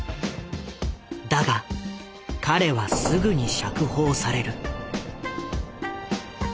だが彼はすぐに釈放される。